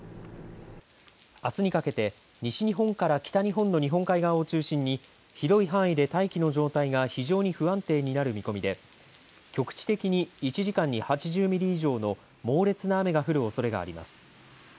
あすにかけて、西日本から北日本の日本海側を中心に、広い範囲で大気の状態が非常に不安定になる見込みで局地的に１時間に８０ミリ以上の猛烈な雨が降るおそれがあります。